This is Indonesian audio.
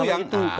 dan itu yang a